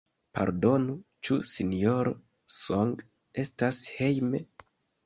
Pardonu, ĉu Sinjoro Song estas hejme?